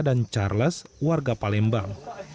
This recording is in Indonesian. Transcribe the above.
dan charles warga palembang